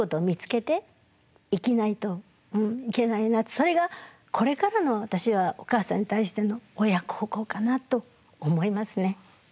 それがこれからの私はお母さんに対しての親孝行かなと思いますね。